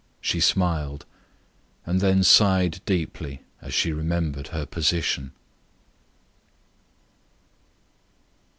She smiled, then sighed deeply as she remembered her present position.